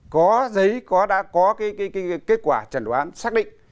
có giấy đã có cái kết quả trần đoán xác định